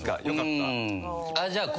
よかった。